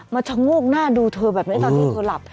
ชะโงกหน้าดูเธอแบบนี้ตอนที่เธอหลับ